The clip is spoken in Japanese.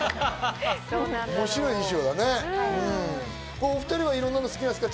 面白い衣装ですね。